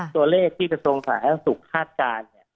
ตัวเลขที่จะทรงศาสตร์ศักดิ์ศุกร์ฆาตการ